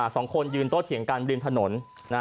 สองคนยืนโต้เถียงกันริมถนน